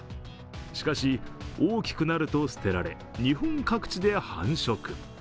しかし、大きくなると捨てられ、日本各地で繁殖。